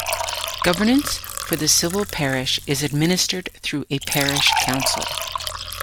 Governance for the civil parish is administered through a parish council.